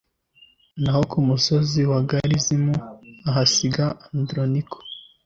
naho ku musozi wa garizimu ahasiga andoroniko